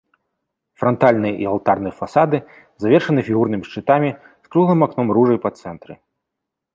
Франтальны і алтарны фасады завершаны фігурнымі шчытамі з круглым акном-ружай па цэнтры.